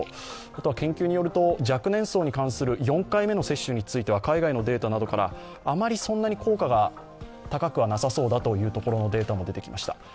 あとは研究によると若年層による４回目の接種は、海外のデータなどから、あまり効果が高くはなさそうだというものも出てきました。